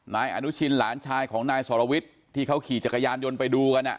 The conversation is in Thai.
นายอนุชินหลานชายของนายสรวิทย์ที่เขาขี่จักรยานยนต์ไปดูกัน